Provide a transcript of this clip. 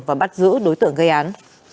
và bắt giữ đối tượng gây án